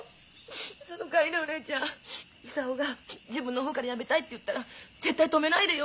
そのかわりねお姉ちゃん久男が自分の方からやめたいって言ったら絶対止めないでよ。